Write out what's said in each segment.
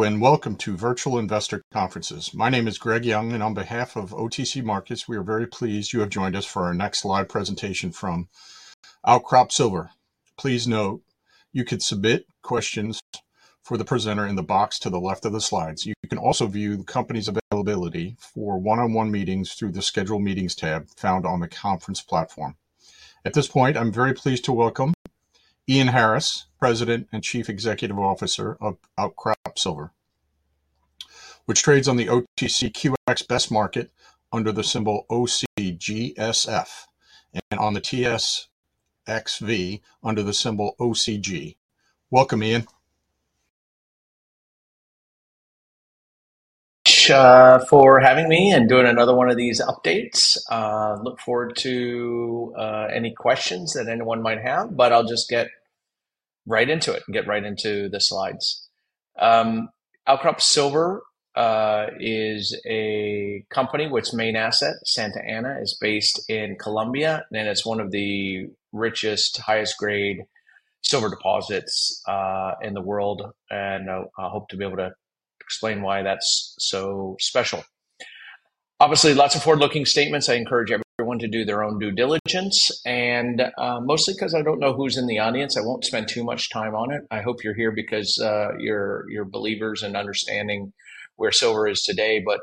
Welcome to Virtual Investor Conferences. My name is Greg Young, and on behalf of OTC Markets, we are very pleased you have joined us for our next live presentation from Outcrop Silver. Please note you can submit questions for the presenter in the box to the left of the slides. You can also view the company's availability for one-on-one meetings through the Schedule Meetings tab found on the conference platform. At this point, I'm very pleased to welcome Ian Harris, President and Chief Executive Officer of Outcrop Silver, which trades on the OTCQX Best Market under the symbol OCGSF and on the TSXV under the symbol OCG. Welcome, Ian. Thanks for having me and doing another one of these updates. Look forward to any questions that anyone might have, but I'll just get right into it and get right into the slides. Outcrop Silver is a company whose main asset, Santa Ana, is based in Colombia, and it's one of the richest, highest-grade silver deposits in the world. And I hope to be able to explain why that's so special. Obviously, lots of forward-looking statements. I encourage everyone to do their own due diligence. And mostly because I don't know who's in the audience, I won't spend too much time on it. I hope you're here because you're believers and understanding where silver is today. But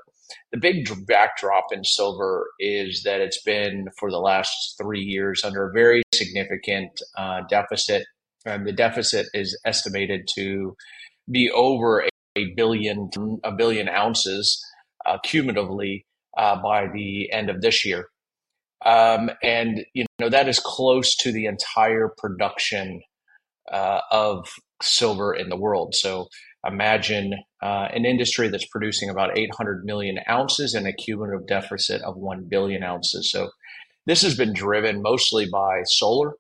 the big backdrop in silver is that it's been, for the last three years, under a very significant deficit. The deficit is estimated to be over a billion ounces cumulatively by the end of this year. And that is close to the entire production of silver in the world. So imagine an industry that's producing about 800 million ounces and a cumulative deficit of 1 billion ounces. So this has been driven mostly by solar,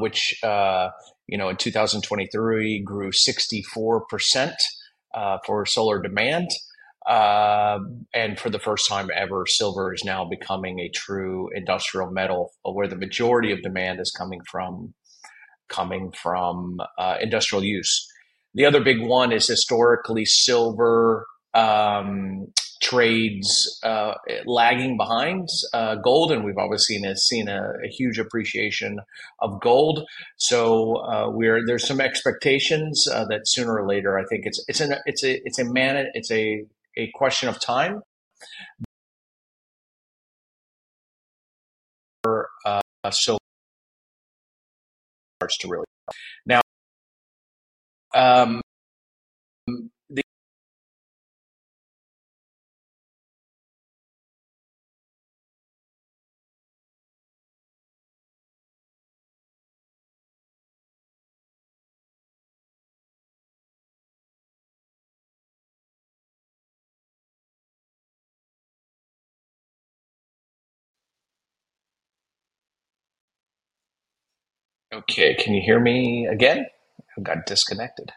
which in 2023 grew 64% for solar demand. And for the first time ever, silver is now becoming a true industrial metal where the majority of demand is coming from industrial use. The other big one is historically silver trades lagging behind gold, and we've always seen a huge appreciation of gold. So there's some expectations that sooner or later, I think it's a question of time for silver to really start to really go. Now. Okay, can you hear me again? I got disconnected.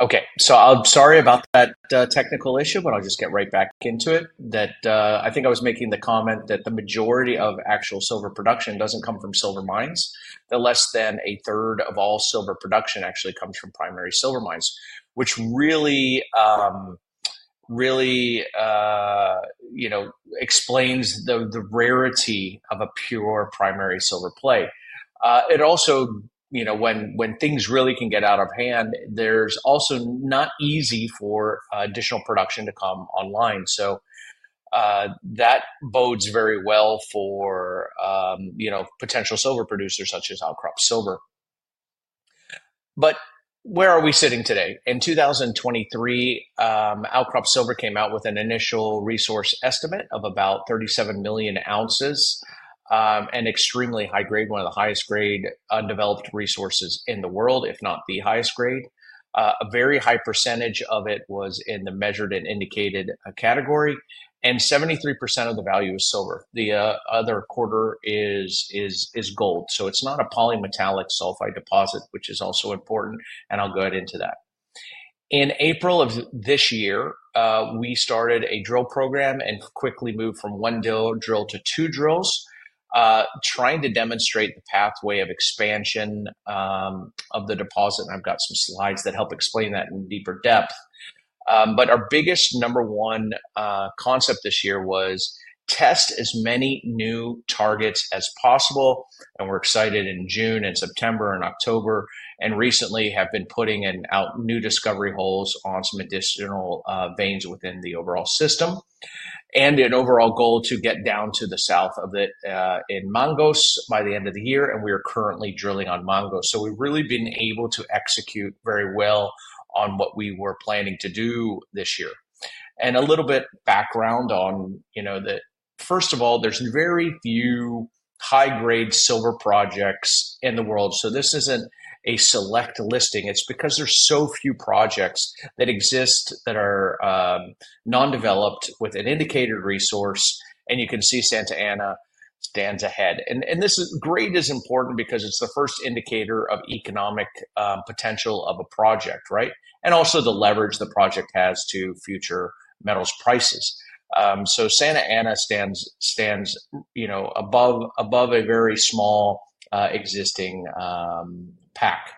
Okay, so I'm sorry about that technical issue, but I'll just get right back into it. I think I was making the comment that the majority of actual silver production doesn't come from silver mines. Less than a third of all silver production actually comes from primary silver mines, which really explains the rarity of a pure primary silver play. It also, when things really can get out of hand, there's also not easy for additional production to come online. So that bodes very well for potential silver producers such as Outcrop Silver. But where are we sitting today? In 2023, Outcrop Silver came out with an initial resource estimate of about 37 million ounces, an extremely high grade, one of the highest grade undeveloped resources in the world, if not the highest grade. A very high percentage of it was in the measured and indicated category, and 73% of the value is silver. The other quarter is gold. So it's not a polymetallic sulfide deposit, which is also important, and I'll go into that. In April of this year, we started a drill program and quickly moved from one drill to two drills, trying to demonstrate the pathway of expansion of the deposit. And I've got some slides that help explain that in deeper depth. But our biggest number one concept this year was test as many new targets as possible. And we're excited in June and September and October, and recently have been putting out new discovery holes on some additional veins within the overall system. And an overall goal to get down to the south of it in Mangos by the end of the year. We are currently drilling on Mangos. We've really been able to execute very well on what we were planning to do this year. A little bit of background on, first of all, there's very few high-grade silver projects in the world. This isn't a select listing. It's because there's so few projects that exist that are non-developed with an Indicated Resource, and you can see Santa Ana stands ahead. This is great as important because it's the first indicator of economic potential of a project, right? Also the leverage the project has to future metals prices. Santa Ana stands above a very small existing pack.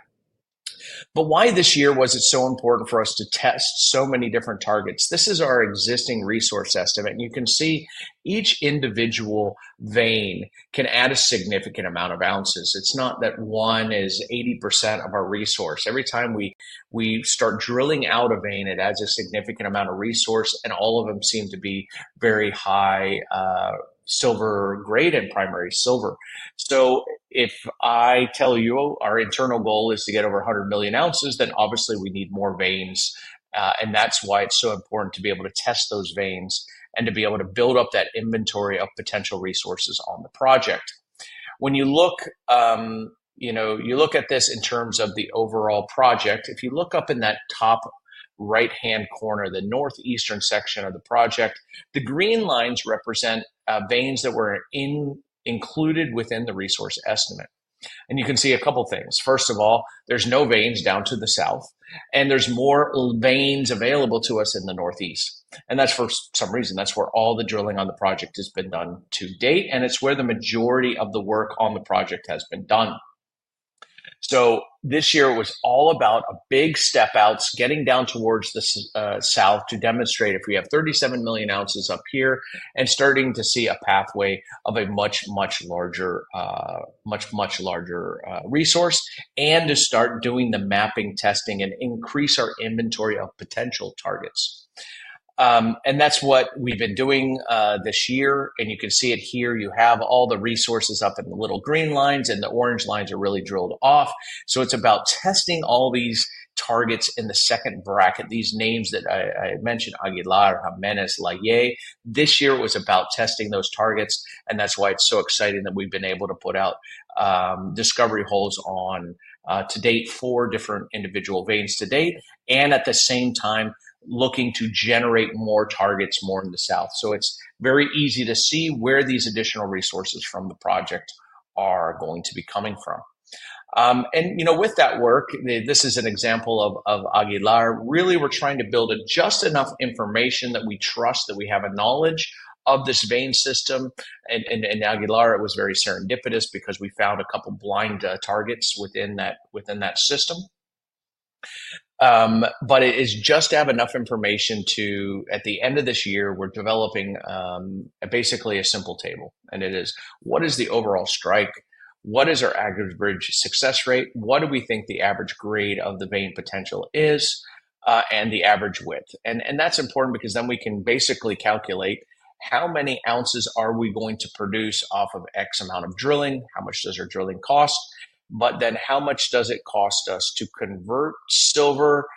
Why this year was it so important for us to test so many different targets? This is our existing resource estimate. You can see each individual vein can add a significant amount of ounces. It's not that one is 80% of our resource. Every time we start drilling out a vein, it adds a significant amount of resource, and all of them seem to be very high-grade silver and primary silver. So if I tell you our internal goal is to get over 100 million ounces, then obviously we need more veins. And that's why it's so important to be able to test those veins and to be able to build up that inventory of potential resources on the project. When you look at this in terms of the overall project, if you look up in that top right-hand corner, the northeastern section of the project, the green lines represent veins that were included within the resource estimate. And you can see a couple of things. First of all, there's no veins down to the south, and there's more veins available to us in the northeast. And that's for some reason. That's where all the drilling on the project has been done to date, and it's where the majority of the work on the project has been done. So this year it was all about big step-outs, getting down towards the south to demonstrate if we have 37 million ounces up here and starting to see a pathway of a much, much larger, much, much larger resource and to start doing the mapping, testing, and increase our inventory of potential targets. And that's what we've been doing this year. And you can see it here. You have all the resources up in the little green lines, and the orange lines are really drilled off. It's about testing all these targets in the second bracket, these names that I mentioned, Aguilar, Jiménez, La Ye. This year it was about testing those targets, and that's why it's so exciting that we've been able to put out discovery holes to date for different individual veins to date, and at the same time looking to generate more targets more in the south. It's very easy to see where these additional resources from the project are going to be coming from. With that work, this is an example of Aguilar. Really, we're trying to build just enough information that we trust that we have a knowledge of this vein system. Aguilar, it was very serendipitous because we found a couple of blind targets within that system. But it is just to have enough information to, at the end of this year, we're developing basically a simple table. And it is, what is the overall strike? What is our average success rate? What do we think the average grade of the vein potential is and the average width? And that's important because then we can basically calculate how many ounces are we going to produce off of X amount of drilling, how much does our drilling cost, but then how much does it cost us to convert silver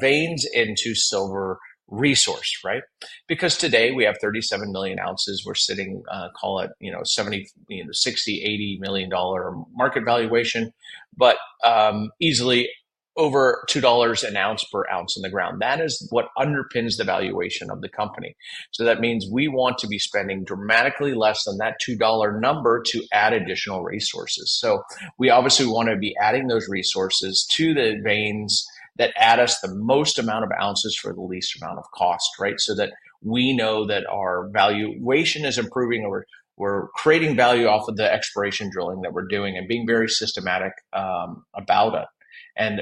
veins into silver resource, right? Because today we have 37 million ounces. We're sitting, call it $60-80 million market valuation, but easily over $2 an ounce per ounce in the ground. That is what underpins the valuation of the company. That means we want to be spending dramatically less than that $2 number to add additional resources. We obviously want to be adding those resources to the veins that add us the most amount of ounces for the least amount of cost, right? That way we know that our valuation is improving. We're creating value off of the exploration drilling that we're doing and being very systematic about it.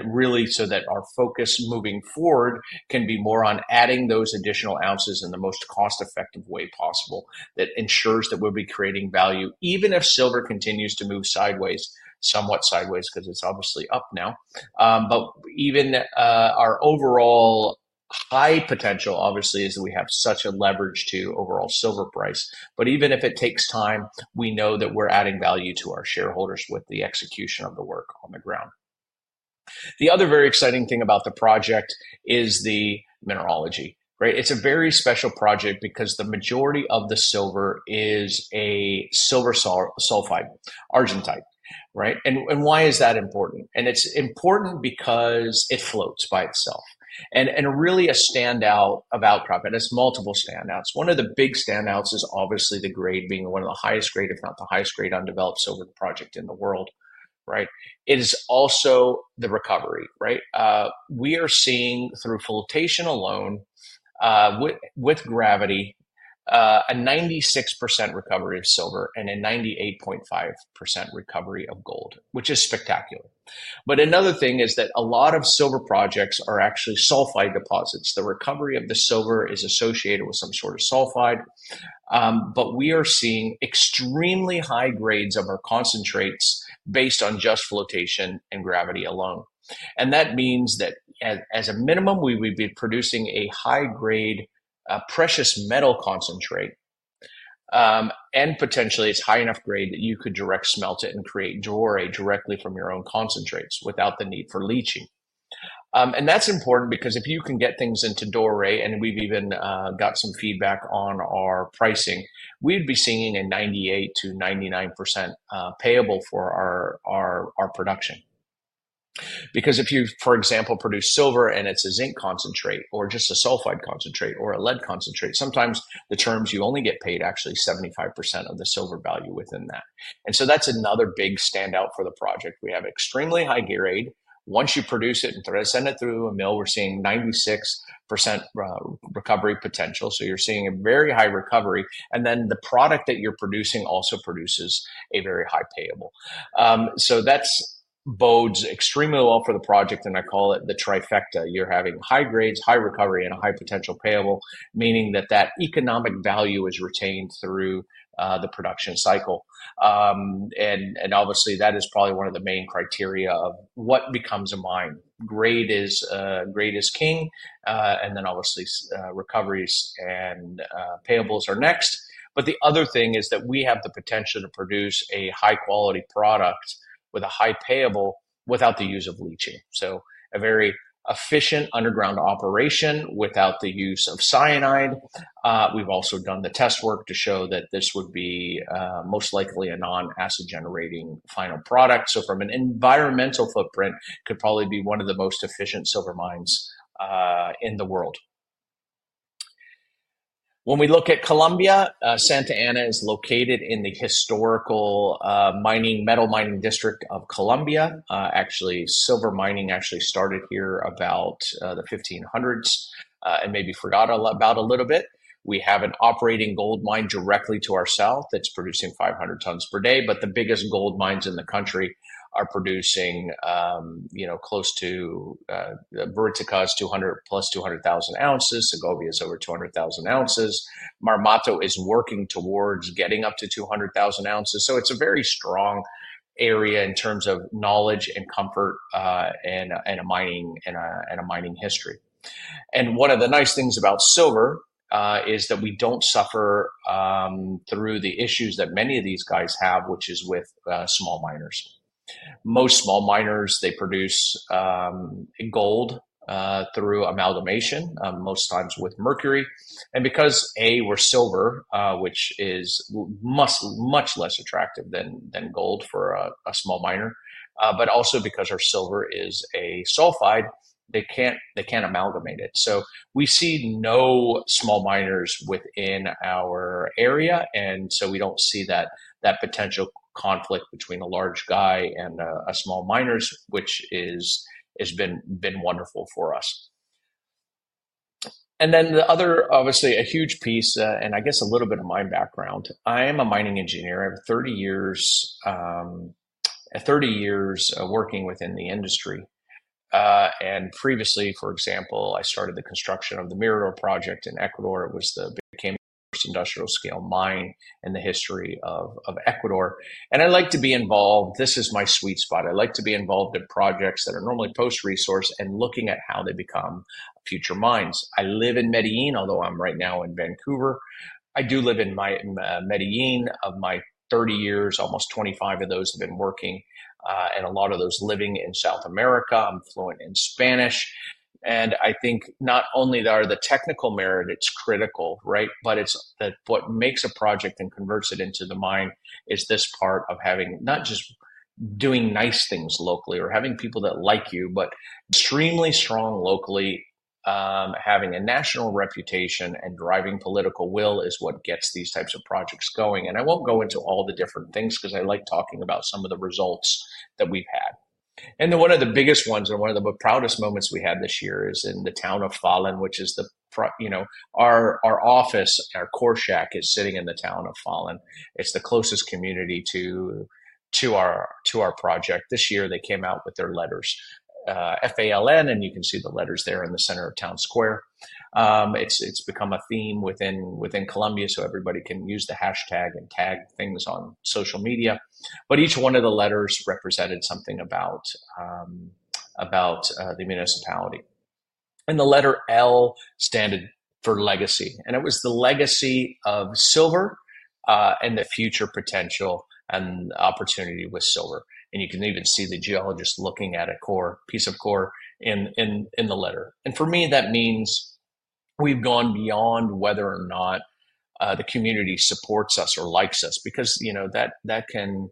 Really, our focus moving forward can be more on adding those additional ounces in the most cost-effective way possible. That ensures that we'll be creating value even if silver continues to move sideways, somewhat sideways because it's obviously up now. Even our overall high potential obviously is that we have such a leverage to overall silver price. But even if it takes time, we know that we're adding value to our shareholders with the execution of the work on the ground. The other very exciting thing about the project is the mineralogy, right? It's a very special project because the majority of the silver is a silver sulfide, argentite, right? And why is that important? And it's important because it floats by itself. And really a standout of Outcrop, and it's multiple standouts. One of the big standouts is obviously the grade being one of the highest grade, if not the highest grade undeveloped silver project in the world, right? It is also the recovery, right? We are seeing through flotation alone with gravity, a 96% recovery of silver and a 98.5% recovery of gold, which is spectacular. But another thing is that a lot of silver projects are actually sulfide deposits. The recovery of the silver is associated with some sort of sulfide. But we are seeing extremely high grades of our concentrates based on just flotation and gravity alone. And that means that as a minimum, we would be producing a high-grade precious metal concentrate. And potentially, it's high enough grade that you could direct smelt it and create doré directly from your own concentrates without the need for leaching. And that's important because if you can get things into doré, and we've even got some feedback on our pricing, we'd be seeing a 98-99% payable for our production. Because if you, for example, produce silver and it's a zinc concentrate or just a sulfide concentrate or a lead concentrate, sometimes the terms you only get paid actually 75% of the silver value within that. And so that's another big standout for the project. We have extremely high grade. Once you produce it and send it through a mill, we're seeing 96% recovery potential, so you're seeing a very high recovery, and then the product that you're producing also produces a very high payable, so that bodes extremely well for the project, and I call it the trifecta. You're having high grades, high recovery, and a high potential payable, meaning that that economic value is retained through the production cycle, and obviously, that is probably one of the main criteria of what becomes a mine. Grade is king, and then obviously recoveries and payables are next, but the other thing is that we have the potential to produce a high-quality product with a high payable without the use of leaching, so a very efficient underground operation without the use of cyanide. We've also done the test work to show that this would be most likely a non-acid generating final product. So from an environmental footprint, it could probably be one of the most efficient silver mines in the world. When we look at Colombia, Santa Ana is located in the historical metal mining district of Colombia. Actually, silver mining actually started here about the 1500s and maybe forgot about a little bit. We have an operating gold mine directly to our south that's producing 500 tons per day. But the biggest gold mines in the country are producing close to Buriticá is 200 plus 200,000 ounces. Segovia is over 200,000 ounces. Marmato is working towards getting up to 200,000 ounces. So it's a very strong area in terms of knowledge and comfort and a mining history. One of the nice things about silver is that we don't suffer through the issues that many of these guys have, which is with small miners. Most small miners, they produce gold through amalgamation, most times with mercury. And because a, we're silver, which is much less attractive than gold for a small miner, but also because our silver is a sulfide, they can't amalgamate it. So we see no small miners within our area. And so we don't see that potential conflict between a large guy and a small miner, which has been wonderful for us. And then the other, obviously, a huge piece, and I guess a little bit of my background. I am a mining engineer. I have 30 years working within the industry. And previously, for example, I started the construction of the Mirador project in Ecuador. It became the first industrial scale mine in the history of Ecuador. And I like to be involved. This is my sweet spot. I like to be involved in projects that are normally post-resource and looking at how they become future mines. I live in Medellín, although I'm right now in Vancouver. I do live in Medellín of my 30 years. Almost 25 of those have been working, and a lot of those living in South America. I'm fluent in Spanish. And I think not only are the technical merits critical, right? But what makes a project and converts it into the mine is this part of having not just doing nice things locally or having people that like you, but extremely strong locally, having a national reputation and driving political will is what gets these types of projects going. And I won't go into all the different things because I like talking about some of the results that we've had. And one of the biggest ones and one of the proudest moments we had this year is in the town of Falan, which is our office. Our core shack is sitting in the town of Falan. It's the closest community to our project. This year, they came out with their letters, FALN, and you can see the letters there in the center of town square. It's become a theme within Colombia, so everybody can use the hashtag and tag things on social media. But each one of the letters represented something about the municipality. And the letter L stands for legacy. And it was the legacy of silver and the future potential and opportunity with silver. And you can even see the geologist looking at a piece of core in the letter. And for me, that means we've gone beyond whether or not the community supports us or likes us because that can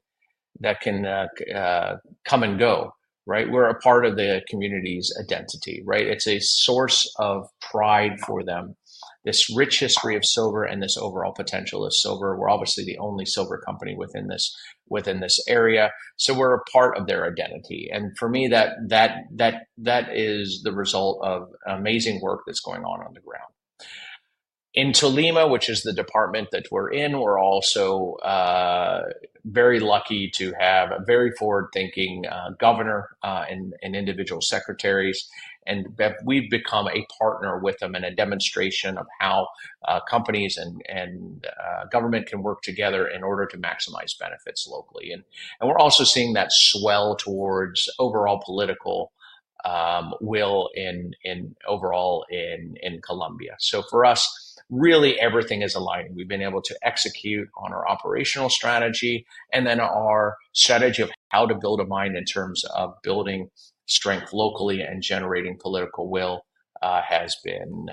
come and go, right? We're a part of the community's identity, right? It's a source of pride for them. This rich history of silver and this overall potential of silver. We're obviously the only silver company within this area. So we're a part of their identity. And for me, that is the result of amazing work that's going on on the ground. In Tolima, which is the department that we're in, we're also very lucky to have a very forward-thinking governor and individual secretaries. And we've become a partner with them and a demonstration of how companies and government can work together in order to maximize benefits locally. We're also seeing that swell towards overall political will overall in Colombia. So for us, really everything is aligned. We've been able to execute on our operational strategy. And then our strategy of how to build a mine in terms of building strength locally and generating political will has been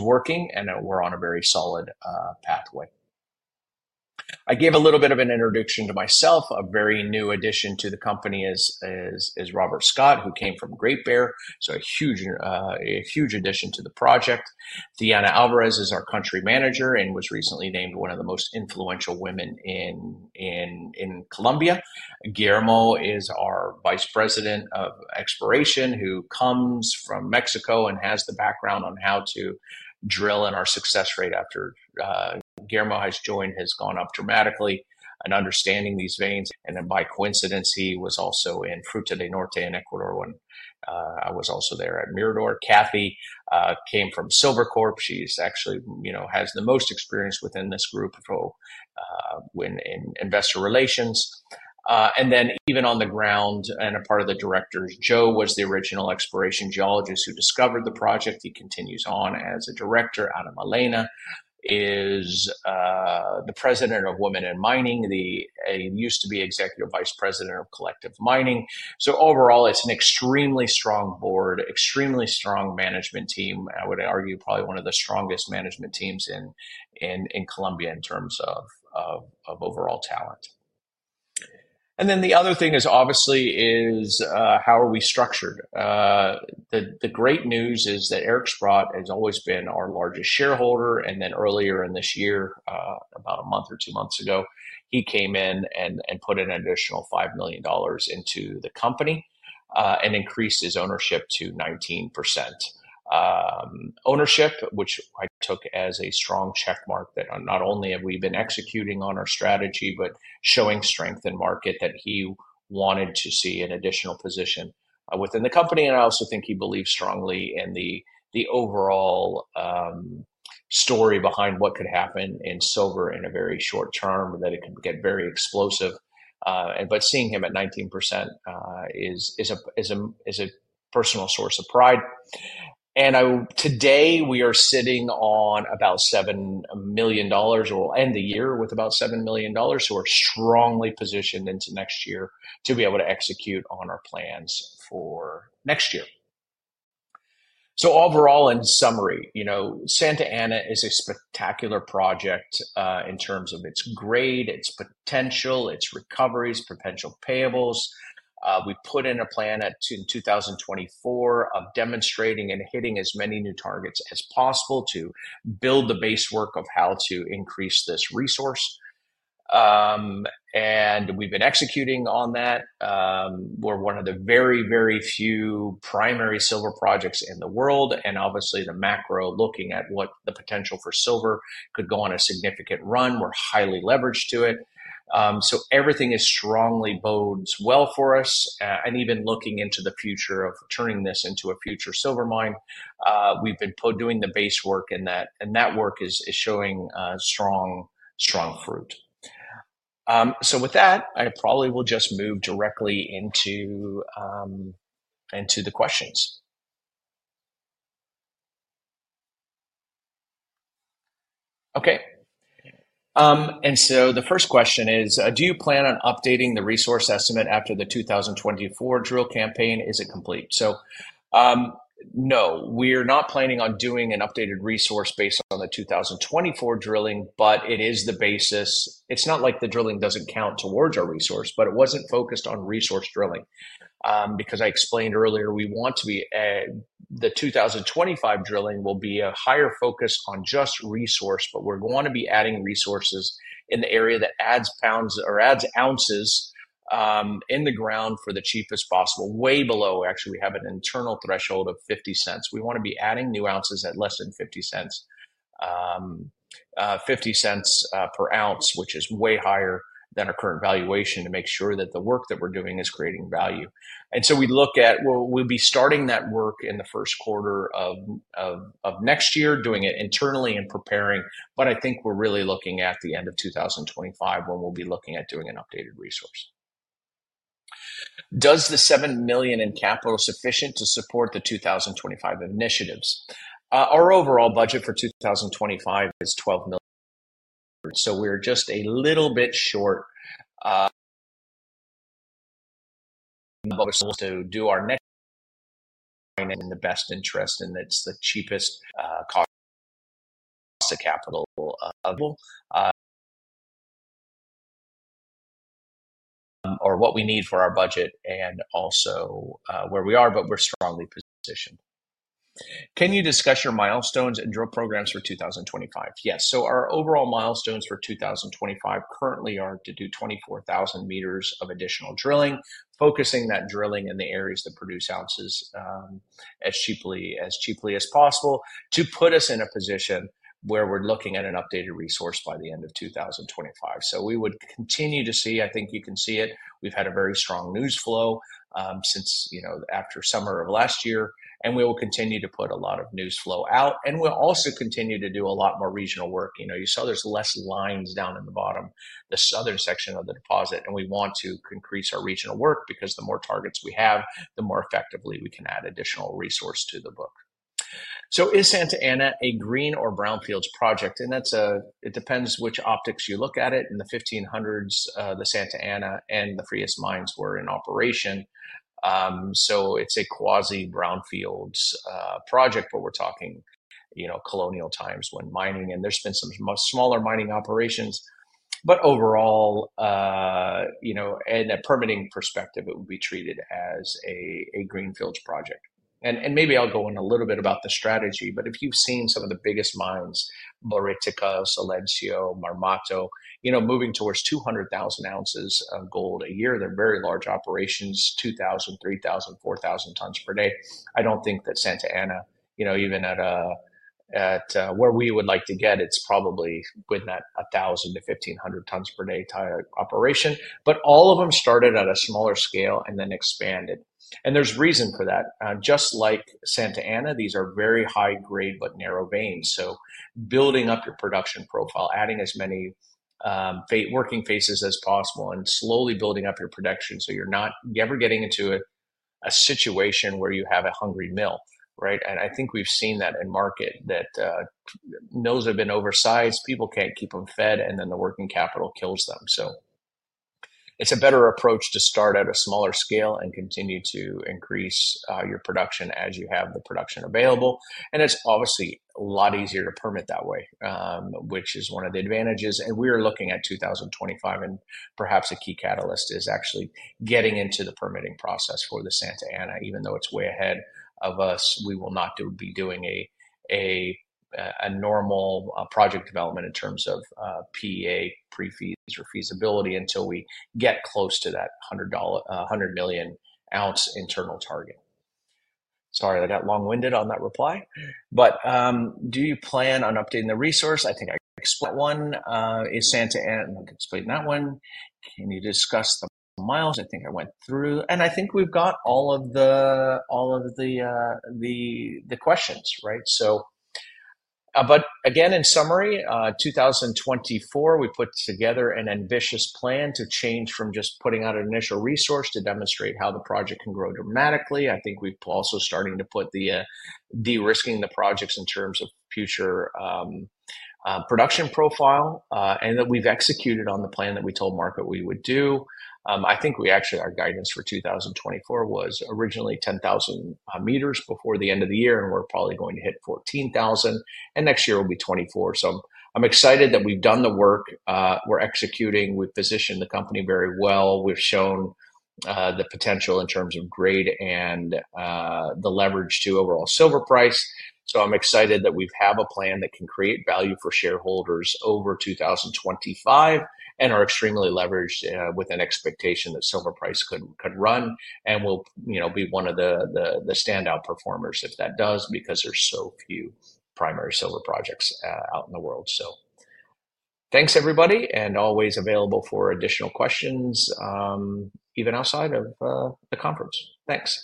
working, and we're on a very solid pathway. I gave a little bit of an introduction to myself. A very new addition to the company is Robert Scott, who came from Great Bear. So a huge addition to the project. Diana Álvarez is our Country Manager and was recently named one of the most influential women in Colombia. Guillermo is our Vice President of Exploration, who comes from Mexico and has the background on how to drill, and our success rate after Guillermo has joined has gone up dramatically in understanding these veins. And then by coincidence, he was also in Fruta del Norte in Ecuador when I was also there at Mirador. Kathy came from Silvercorp. She actually has the most experience within this group for investor relations. And then even on the ground and a part of the directors, Joe was the original exploration geologist who discovered the project. He continues on as a director. Ana Milena Vásquez is the president of Women in Mining. He used to be executive vice president of Collective Mining. So overall, it's an extremely strong board, extremely strong management team. I would argue probably one of the strongest management teams in Colombia in terms of overall talent. And then the other thing is obviously how are we structured? The great news is that Eric Sprott has always been our largest shareholder. Then earlier in this year, about a month or two months ago, he came in and put an additional 5 million dollars into the company and increased his ownership to 19% ownership, which I took as a strong checkmark that not only have we been executing on our strategy, but showing strength in market that he wanted to see an additional position within the company. And I also think he believes strongly in the overall story behind what could happen in silver in a very short term, that it could get very explosive. But seeing him at 19% is a personal source of pride. And today, we are sitting on about 7 million dollars. We'll end the year with about 7 million dollars. So we're strongly positioned into next year to be able to execute on our plans for next year. So overall, in summary, Santa Ana is a spectacular project in terms of its grade, its potential, its recoveries, potential payables. We put in a plan in 2024 of demonstrating and hitting as many new targets as possible to build the base work of how to increase this resource, and we've been executing on that. We're one of the very, very few primary silver projects in the world, and obviously the macro looking at what the potential for silver could go on a significant run. We're highly leveraged to it, so everything is strongly bodes well for us, and even looking into the future of turning this into a future silver mine, we've been doing the base work, and that work is showing strong fruit, so with that, I probably will just move directly into the questions. Okay. And so the first question is, do you plan on updating the resource estimate after the 2024 drill campaign? Is it complete? So no, we're not planning on doing an updated resource based on the 2024 drilling, but it is the basis. It's not like the drilling doesn't count towards our resource, but it wasn't focused on resource drilling. Because I explained earlier, we want to be the 2025 drilling will be a higher focus on just resource, but we're going to be adding resources in the area that adds pounds or adds ounces in the ground for the cheapest possible. Way below, actually, we have an internal threshold of 0.50. We want to be adding new ounces at less than 0.50, 0.50 per ounce, which is way higher than our current valuation to make sure that the work that we're doing is creating value. We look at, we'll be starting that work in the first quarter of next year, doing it internally and preparing. But I think we're really looking at the end of 2025 when we'll be looking at doing an updated resource. Is the 7 million in capital sufficient to support the 2025 initiatives? Our overall budget for 2025 is 12 million. We're just a little bit short to do our next in the best interest, and it's the cheapest cost of capital or what we need for our budget and also where we are, but we're strongly positioned. Can you discuss your milestones and drill programs for 2025? Yes. So our overall milestones for 2025 currently are to do 24,000 meters of additional drilling, focusing that drilling in the areas that produce ounces as cheaply as possible to put us in a position where we're looking at an updated resource by the end of 2025. So we would continue to see, I think you can see it. We've had a very strong news flow since after summer of last year, and we will continue to put a lot of news flow out. And we'll also continue to do a lot more regional work. You saw there's less lines down in the bottom, the southern section of the deposit, and we want to increase our regional work because the more targets we have, the more effectively we can add additional resource to the book. So is Santa Ana a green or brownfields project? And it depends which optics you look at it. In the 1500s, the Santa Ana and the Frias mines were in operation. So it's a quasi-brownfields project, but we're talking colonial times when mining, and there's been some smaller mining operations. But overall, in a permitting perspective, it would be treated as a greenfields project. And maybe I'll go in a little bit about the strategy, but if you've seen some of the biggest mines, Buriticá, Silencio, Marmato, moving towards 200,000 ounces of gold a year, they're very large operations, 2,000, 3,000, 4,000 tons per day. I don't think that Santa Ana, even at where we would like to get, it's probably within that 1,000 to 1,500 tons per day operation. But all of them started at a smaller scale and then expanded. And there's reason for that. Just like Santa Ana, these are very high-grade but narrow veins. So building up your production profile, adding as many working faces as possible, and slowly building up your production so you're never getting into a situation where you have a hungry mill, right? And I think we've seen that in market that mills have been oversized, people can't keep them fed, and then the working capital kills them. So it's a better approach to start at a smaller scale and continue to increase your production as you have the production available. And it's obviously a lot easier to permit that way, which is one of the advantages. And we are looking at 2025, and perhaps a key catalyst is actually getting into the permitting process for the Santa Ana. Even though it's way ahead of us, we will not be doing a normal project development in terms of PEA, pre-feas, or feasibility until we get close to that 100 million ounce internal target. Sorry, I got long-winded on that reply, but do you plan on updating the resource? I think I explained that one. Is Santa Ana explaining that one? Can you discuss the miles? I think I went through, and I think we've got all of the questions, right, but again, in summary, 2024, we put together an ambitious plan to change from just putting out an initial resource to demonstrate how the project can grow dramatically. I think we're also starting to put the de-risking the projects in terms of future production profile, and we've executed on the plan that we told market we would do. I think, actually, our guidance for 2024 was originally 10,000 meters before the end of the year, and we're probably going to hit 14,000, and next year will be 24, so I'm excited that we've done the work. We're executing. We've positioned the company very well. We've shown the potential in terms of grade and the leverage to overall silver price, so I'm excited that we have a plan that can create value for shareholders over 2025 and are extremely leveraged with an expectation that silver price could run and will be one of the standout performers if that does because there's so few primary silver projects out in the world, so thanks, everybody, and always available for additional questions, even outside of the conference. Thanks.